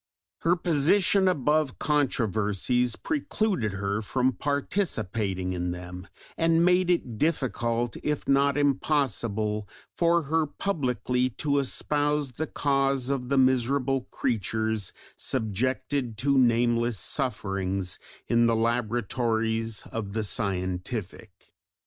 Her position above controversies precluded her from participating in them, and made it difficult if not impossible for her publicly to espouse the cause of the miserable creatures subjected to nameless sufferings in the laboratories of the scientific.